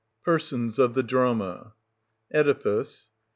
PERSONS OF THE DRAMA. Oedipus.